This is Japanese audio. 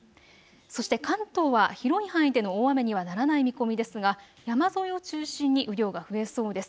そして関東は広い範囲での大雨にはならない見込みですが山沿いを中心に雨量が増えそうです。